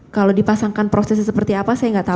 kalau dipasangkan prosesnya seperti apa saya nggak tahu